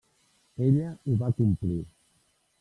Ella ho va complir.